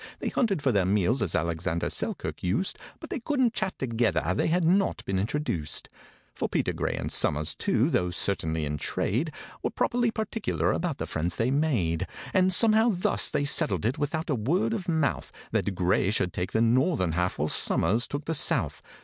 They hunted for their meals, as ALEXANDER SELKIRK used, But they couldn't chat together—they had not been introduced. For PETER GRAY, and SOMERS too, though certainly in trade, Were properly particular about the friends they made; And somehow thus they settled it without a word of mouth— That GRAY should take the northern half, while SOMERS took the south.